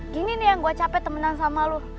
gini nih yang gue capek temenan sama lo